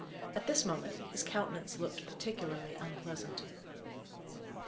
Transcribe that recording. At this moment his countenance looked particularly unpleasant.